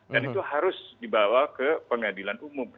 itu harus dibawa ke pengadilan umum